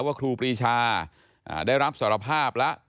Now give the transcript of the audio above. ครูปรีชาได้รับสารภาพแล้ว